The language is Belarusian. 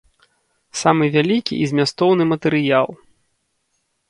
Самы вялікі і змястоўны матэрыял.